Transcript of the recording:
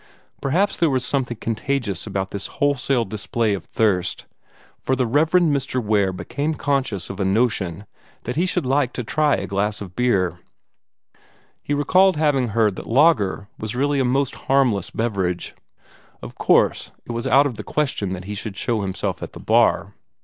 Perhaps there was something contagious in this wholesale display of thirst, for the Rev. Mr. Ware became conscious of a notion that he should like to try a glass of beer. He recalled having heard that lager was really a most harmless beverage. Of course it was out of the question that he should show himself at the bar.